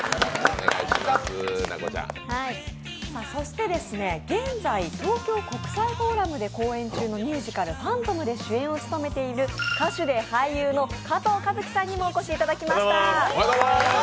そして現在東京国際フォーラムで公演中のミュージカル、「ファントム」で主演を務めている歌手で俳優の加藤和樹さんにもお越しいただきました。